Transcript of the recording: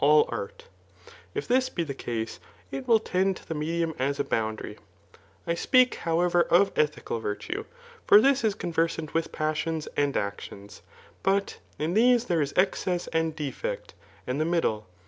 all art j if thisi be the case, it will tend to the medium a^ a boundary. I fij)^ak, however, of ethical virti^e ; for this is conversant ijdth passions and actions ]» but in these there ^ excess and defect, and the middle.